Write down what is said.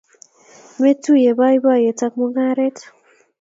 Metuye boiboiyet ak mungaret